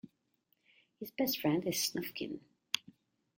His best friend is Snufkin.